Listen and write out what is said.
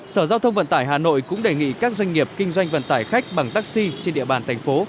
sở giao thông vận tải hà nội cũng đề nghị các doanh nghiệp kinh doanh vận tải khách bằng taxi trên địa bàn thành phố